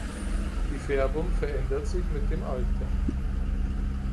Die Färbung verändert sich mit dem Alter.